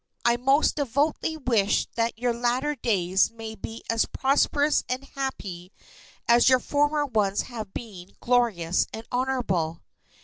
I most devoutly wish that your latter days may be as prosperous and happy as your former ones have been glorious and honourable."